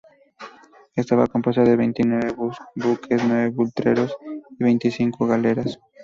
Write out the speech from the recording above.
Estaba compuesta de veintinueve buques, nueve brulotes y veinticinco galeras.